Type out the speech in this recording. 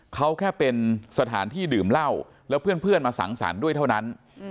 เขาแค่เป็นสถานที่ดื่มเหล้าแล้วเพื่อนมาสังสรรค์ด้วยเท่านั้น